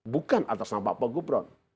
bukan atas nama pak gubron